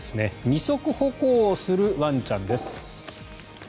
二足歩行をするワンちゃんです。